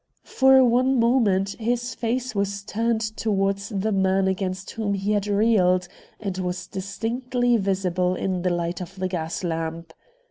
For one moment his face was turned towards the man against whom he had reeled, and was distinctly visible in the light of the gas lamp.